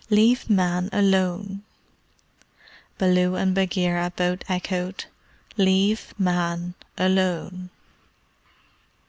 Leave Men alone." Baloo and Bagheera both echoed: "Leave Men alone."